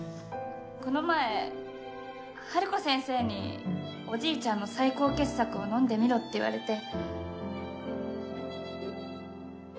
この前ハルコ先生におじいちゃんの最高傑作を飲んでみろって言われて。